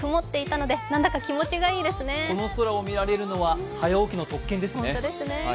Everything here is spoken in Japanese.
この空を見られるのは早起きの特権ですね。